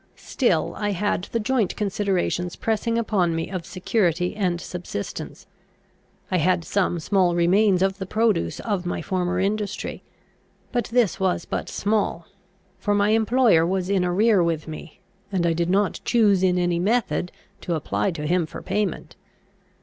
Still I had the joint considerations pressing upon me of security and subsistence. I had some small remains of the produce of my former industry; but this was but small, for my employer was in arrear with me, and I did not choose in any method to apply to him for payment.